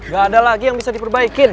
gak ada lagi yang bisa diperbaikin